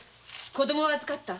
「子供は預かった。